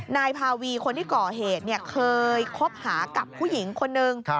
นายพาวีคนที่ก่อเหตุเคยคบหากับผู้หญิงคนนึง